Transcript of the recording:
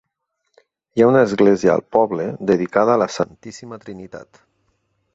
Hi ha una església al poble, dedicada a la "Santíssima Trinitat".